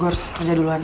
gue harus kerja duluan